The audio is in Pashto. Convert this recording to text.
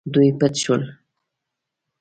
دوی پټ شول.